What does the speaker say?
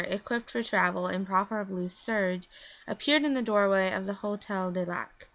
equipped for travel in proper blue serge, appeared in the doorway of the Hotel du Lac.